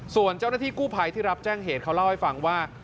ส่วนเจ้าหน้าที่กู้ภัยที่รับแจ้งเหตุเขาเล่าให้ฟังว่า